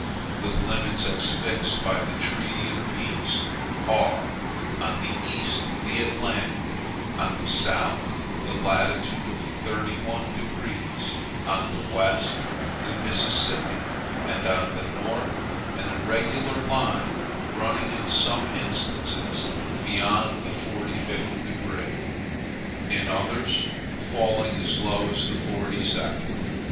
The limits, as fixed by the treaty of peace, are: on the east the Atlantic, on the south the latitude of thirty one degrees, on the west the Mississippi, and on the north an irregular line running in some instances beyond the forty fifth degree, in others falling as low as the forty second.